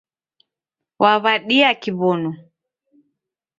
Waw'adia Kiw'onu.